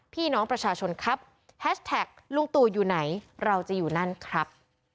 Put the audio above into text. พี่น้องประชาชนครับแฮชแท็กลุงตู่อยู่ไหนเราจะอยู่นั่นครับ